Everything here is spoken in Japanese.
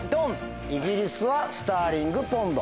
イギリスはスターリング・ポンド。